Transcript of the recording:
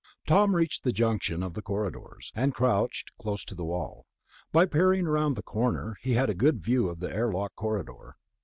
Tom reached the junction of the corridors, and crouched close to the wall. By peering around the corner, he had a good view of the airlock corridor.